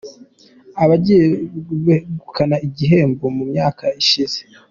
Abagiye begukana iki gihembo mu myaka ishize:.